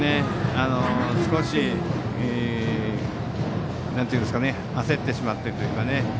少し焦ってしまってというか。